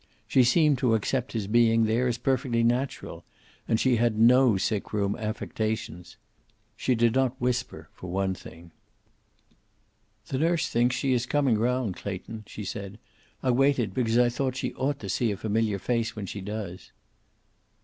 She seemed to accept his being there as perfectly natural, and she had no sick room affectations. She did not whisper, for one thing. "The nurse thinks she is coming round, Clayton," she said. "I waited, because I thought she ought to see a familiar face when she does."